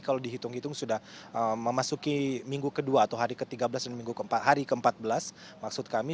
kalau dihitung hitung sudah memasuki minggu kedua atau hari ke tiga belas dan minggu keempat hari ke empat belas maksud kami